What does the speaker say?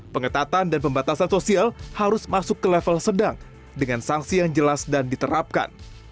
pengetatan dan pembatasan sosial harus masuk ke level sedang dengan sanksi yang jelas dan diterapkan